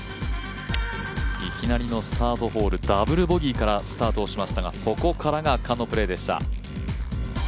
いきなりのサードホール、ダブルボギーからスタートしましたがそこからが圧巻のプレーでした。